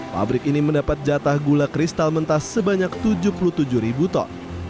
pabrik ini mendapat jatah gula kristal mentah sebanyak tujuh puluh tujuh ribu ton